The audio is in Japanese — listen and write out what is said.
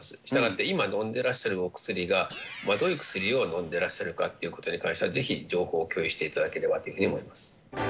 したがって今、飲んでらっしゃるお薬がどういう薬を飲んでらっしゃるかということに関しては、ぜひ情報を共有していただければと思います。